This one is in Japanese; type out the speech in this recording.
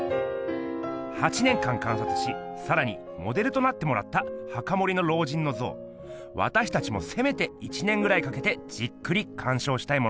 ８年間観察しさらにモデルとなってもらった墓守の老人の像わたしたちもせめて１年ぐらいかけてじっくりかんしょうしたいものです。